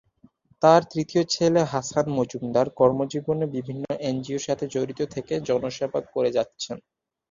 তার তৃতীয় ছেলে হাসান মজুমদার কর্মজীবনে বিভিন্ন এনজিও’র সাথে জড়িত থেকে জনসেবা করে যাচ্ছেন।